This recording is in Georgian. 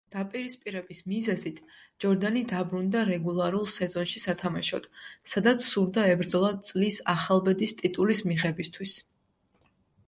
დაპირისპირების მიზეზით ჯორდანი დაბრუნდა რეგულარულ სეზონში სათამაშოდ, სადაც სურდა ებრძოლა წლის ახალბედის ტიტულის მიღებისთვის.